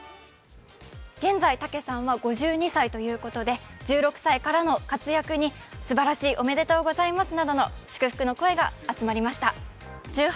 現在、武さんは５２歳ということで１６歳からの活躍にすばらしい、おめでとうございますなどの祝福の声が集まりました。